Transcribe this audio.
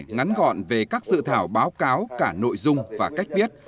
ngắn gọn về các dự thảo báo cáo cả nội dung và cách viết